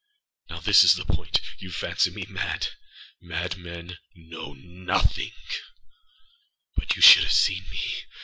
Now this is the point. You fancy me mad. Madmen know nothing. But you should have seen me.